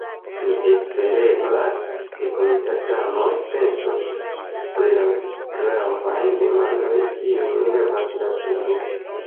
Mi espereblas, ke komitatanoj pensos pri la vivgravaj demandoj, kiujn levas la studo!